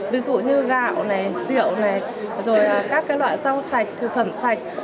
ví dụ như gạo rượu các loại rau sạch thực phẩm sạch